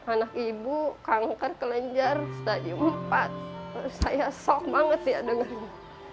anak ibu kanker kelenjar stadium empat saya sok banget dia dengarnya